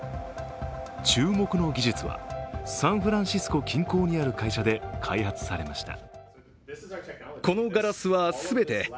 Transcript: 注目の技術は、サンフランシスコ近郊にある会社で開発されました。